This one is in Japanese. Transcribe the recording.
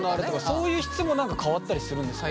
そういう質も何か変わったりするんですか？